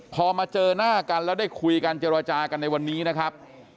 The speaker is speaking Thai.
พอมาเจอหน้ากันแล้วได้คุยกันเจรจากันในวันนี้นะครับ